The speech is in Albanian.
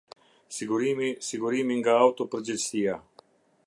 Sigurimi - sigurimi nga autopërgjegjësia.